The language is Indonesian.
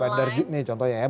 bandar juk nih contohnya ya